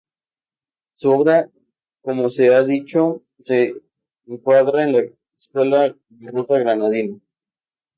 Su obra como se ha dicho se encuadra en la gran escuela barroca granadina.